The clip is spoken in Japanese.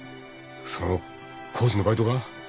その工事のバイトが？